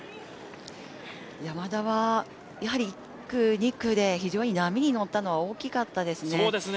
ヤマダは１区、２区で非常に波に乗ったのは大きかったですね。